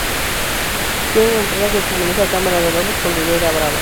Tiene una entrada que comunica a Cámara de Lobos con Ribeira Brava.